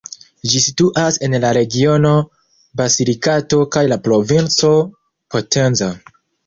Ĝi situas en la regiono Basilikato kaj la provinco Potenza.